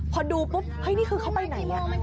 พอดูปุ๊บเฮ้ยนี่คือเขาไปไหน